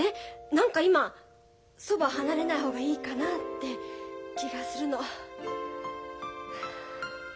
何か今そば離れない方がいいかなって気がするの。